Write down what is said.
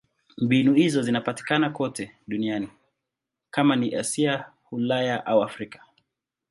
Mbinu hizo zinapatikana kote duniani: kama ni Asia, Ulaya au Afrika.